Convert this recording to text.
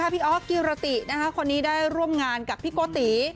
พี่อ๊อฟกิรติคนนี้ได้ร่วมงานกับพี่โกติ